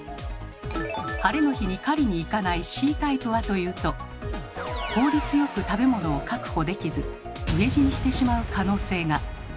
晴れの日に狩りに行かないＣタイプはというと効率よく食べ物を確保できず飢え死にしてしまう可能性が。